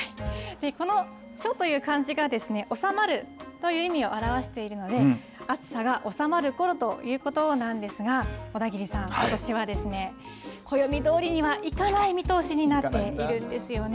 この処という漢字が収まるという意味を表しているので、暑さが収まるころということなんですが、小田切さん、ことしは暦どおりにはいかない見通しになっているんですよね。